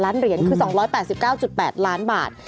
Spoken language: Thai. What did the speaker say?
ล้านเหรียญคือ๒๘๙๘ล้านบาท